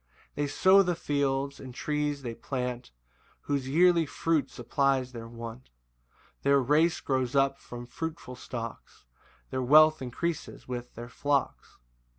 4 They sow the fields, and trees they plant, Whose yearly fruit supplies their want: Their race grows up from fruitful stocks, Their wealth increases with their flocks.